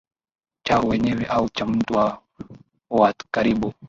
chao wenyewe au cha mtu wao wa karibu